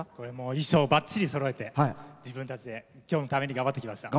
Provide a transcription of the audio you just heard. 衣装をばっちりそろえて自分たちで、きょうのために頑張ってきました。